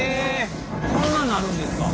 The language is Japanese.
こんなんなるんですか。